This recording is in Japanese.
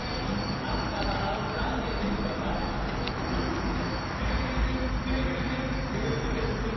「あたまをさげればだいじょうぶ」「ぐるぐるぐるぐるぐるぐるぐーるぐる」